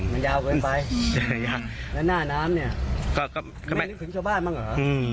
มันยาวเกินไปและหน้าน้ำเนี่ยไม่รู้ถึงชาวบ้านบ้างเหรอ